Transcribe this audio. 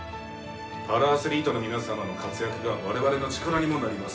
パラアスリートの皆様の活躍がわれわれの力にもなります。